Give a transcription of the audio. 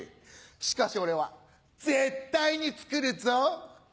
しかし俺は絶対につくるぞ。